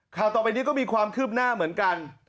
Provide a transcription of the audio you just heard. ต่อไปนี้ก็มีความคืบหน้าเหมือนกัน